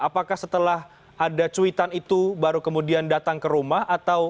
apakah setelah ada cuitan itu baru kemudian datang ke rumah